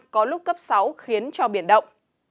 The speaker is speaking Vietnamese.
có lúc cấp sáu khiến cho biển động